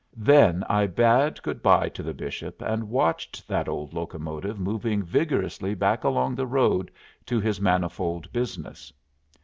Then I bade good bye to the Bishop, and watched that old locomotive moving vigorously back along the road to his manifold business.